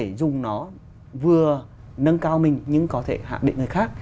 để dùng nó vừa nâng cao mình nhưng có thể hạ định người khác